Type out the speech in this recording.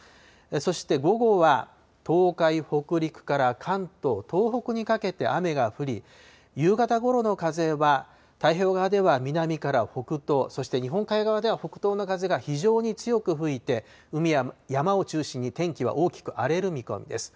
そして午後は東海、北陸から関東、東北にかけて雨が降り、夕方ごろの風は、太平洋側では南から北東、そして日本海側では北東の風が非常に強く吹いて、海や山を中心に天気は大きく荒れる見込みです。